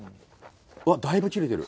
うわっだいぶ切れてる。